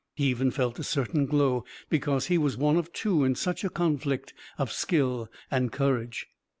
He even felt a certain glow, because he was one of two in such a conflict of skill and courage.